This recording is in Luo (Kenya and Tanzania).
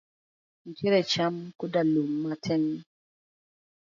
Nitie cham koda lum matin.